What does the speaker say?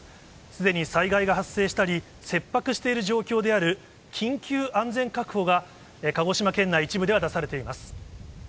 すでに災害が発生したり、切迫している状況である緊急安全確保が、鹿児島県内一部では出されています。